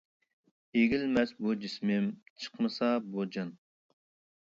ئېگىلمەس بۇ جىسمىم، چىقمىسا بۇ جان.